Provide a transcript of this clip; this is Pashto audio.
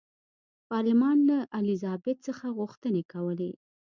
پارلمان له الیزابت څخه غوښتنې کولې.